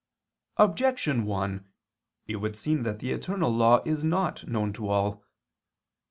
Objection 1: It would seem that the eternal law is not known to all.